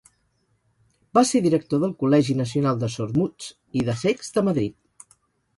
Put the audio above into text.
Va ser director del col·legi nacional de sordmuts i de cecs de Madrid.